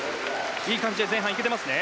いい感じで前半行けていますね。